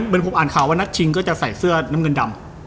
เหมือนผมอ่านข่าวว่านัดชิงก็จะใส่เสื้อน้ำเงินดำ